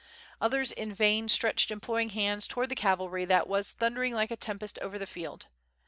Others in vain stretched imploring hands towards the cavalry that was thundering like a tempest over the field.